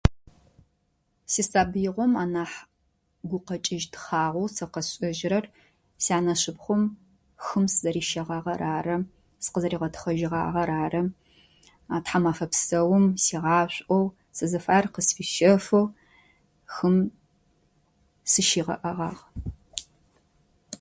Сисабыйигъом анахь гукъакӏыщтхъагъо сэ къэсшӏэжьырэр сянэшыпхъум хым сызэрищыгъагъэр ары, сыкъызэригъэтхъэжьыгъагъэр ары. А тхьамафэ псэум сигъашӏо сызыфаер къысфищэфэу хым сыщыгъэӏэгъагъ.